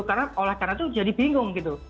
karena olah karena itu jadi bingung gitu